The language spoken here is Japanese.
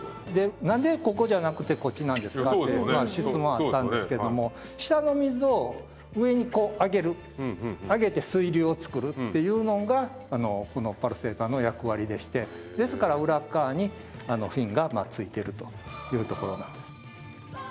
何でここじゃなくてこっちなんですかって質問あったんですけどもあげて水流を作るっていうのがこのパルセーターの役割でしてですから裏側にフィンがついてるというところなんです。